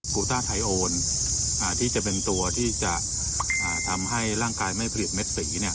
ูต้าไทโอนที่จะเป็นตัวที่จะทำให้ร่างกายไม่ผลิตเม็ดสี